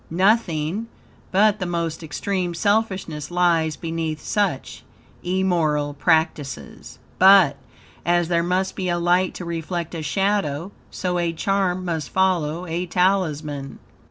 Nothing, but the most extreme selfishness lies beneath such immoral practices, but, as there must be a light to reflect a shadow, so a charm must follow a talisman.